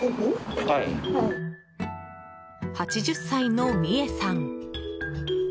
８０歳の、みえさん。